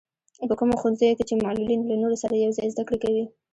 په کومو ښوونځیو کې چې معلولين له نورو سره يوځای زده کړې کوي.